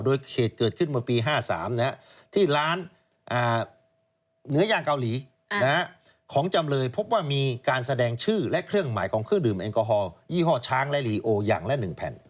โดยเหตุเกิดขึ้นเมื่อปี๕๓ที่ร้านเนื้อย่างเกาหลีของจำเลยพบว่ามีการแสดงชื่อและเครื่องหมายของเครื่องดื่มแอลกอฮอลยี่ห้อช้างและลีโออย่างละ๑แผ่น